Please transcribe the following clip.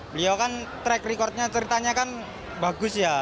beliau kan track recordnya ceritanya kan bagus ya